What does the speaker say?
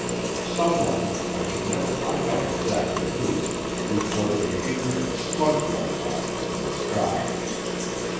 Someone, I could never find out exactly who, reported a huge "smudge like" object in the sky.